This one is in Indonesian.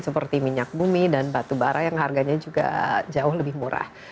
seperti minyak bumi dan batu bara yang harganya juga jauh lebih murah